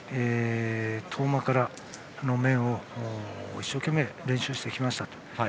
遠間から面を一生懸命、練習してきましたと。